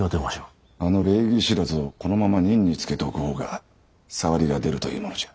あの礼儀知らずをこのまま任に就けておく方が障りが出るというものじゃ。